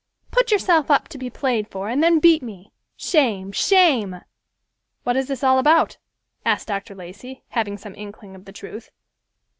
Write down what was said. Put yourself up to be played for, and then beat me; shame, shame." "What is this all about?" asked Dr. Lacey, having some inkling of the truth.